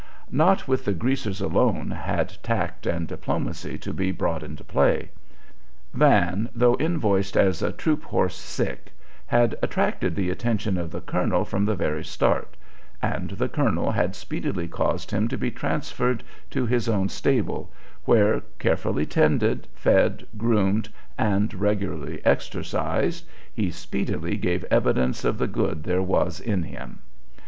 Not with the "greasers" alone had tact and diplomacy to be brought into play. Van, though invoiced as a troop horse sick, had attracted the attention of the colonel from the very start, and the colonel had speedily caused him to be transferred to his own stable, where, carefully tended, fed, groomed, and regularly exercised, he speedily gave evidence of the good there was in him.